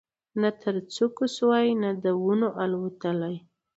نه تر څوکو سوای د ونو الوتلای